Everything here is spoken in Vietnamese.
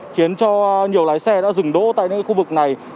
khiến cho nhiều lái xe đã dừng đỗ tại khu vực này